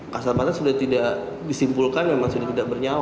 kasar patah sudah tidak disimpulkan memang sudah tidak bernyawa